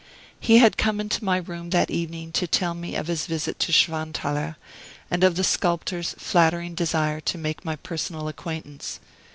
He had come into my room that evening to tell me of his visit to Schwanthaler, and of the sculptor's flattering desire to make my personal acquaintance.